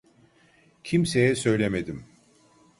Kimseye söylemedim.